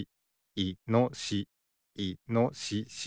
いのしし。